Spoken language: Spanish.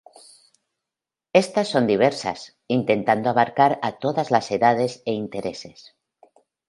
Éstas son diversas, intentando abarcar a todas las edades e intereses.